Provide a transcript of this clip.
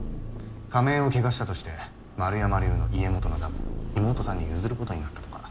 家名を汚したとして円山流の家元の座も妹さんに譲ることになったとか。